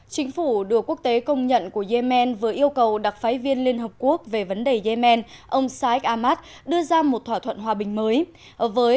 chính phủ đưa quốc tế công nhận của yemen với yêu cầu đặc phái viên liên hợp quốc về vấn đề yemen ông saeed ahmad đưa ra một thỏa thuận hòa bình mới